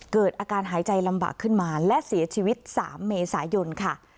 เกิดอาการหายใจลำบากขึ้นมาและเสียชีวิต๓เมษายนค่ะ